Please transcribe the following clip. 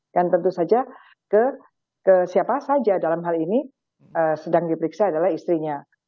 dan tentu saja ke siapa saja dalam hal ini sedang diperiksa adalah istrinya